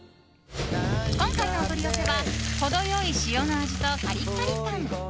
今回のお取り寄せは程良い塩の味とカリカリ感。